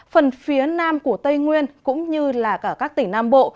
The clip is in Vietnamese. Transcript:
phần phía nam của tây nguyên cũng như là cả các tỉnh nam bộ